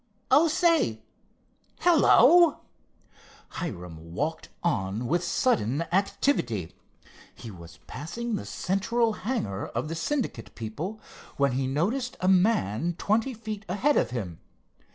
Oh, say, hello!" Hiram walked on with sudden activity. He was passing the central hangar of the Syndicate people, when he noticed a man twenty feet ahead of him.